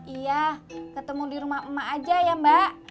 iya ketemu di rumah emak aja ya mbak